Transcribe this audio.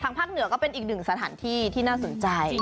ภาคเหนือก็เป็นอีกหนึ่งสถานที่ที่น่าสนใจ